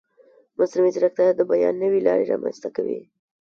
مصنوعي ځیرکتیا د بیان نوې لارې رامنځته کوي.